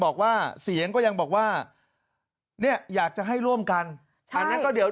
บอกว่าเสียงก็ยังบอกว่าเนี่ยอยากจะให้ร่วมกันอันนั้นก็เดี๋ยว